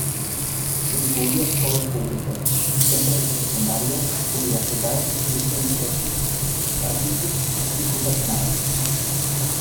Incloïa escoles públiques, centres de secundària, universitats i estudis tècnics, artístics i professionals.